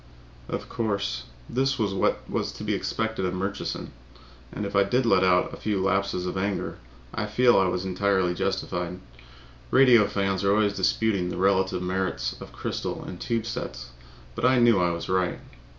Of course, this was what was to be expected of Murchison. And if I did let out a few laps of anger, I feel I was entirely justified. Radio fans are always disputing over the relative merits of crystal and tube sets, but I knew I was right.